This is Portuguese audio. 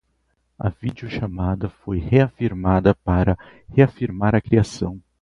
A videochamada foi reafirmada para reafirmar a criação